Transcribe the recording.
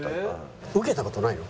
受けた事ないの？